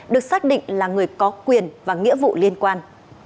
được xác định là người có quyền và nghĩa vụ liên quan